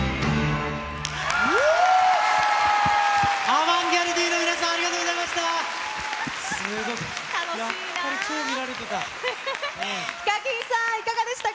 アバンギャルディの皆さん、ありがとうございました！